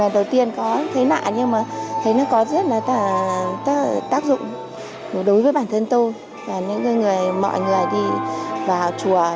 đầu tiên có thấy lạ nhưng mà thấy nó có rất là tác dụng đối với bản thân tôi và những người mọi người đi vào chùa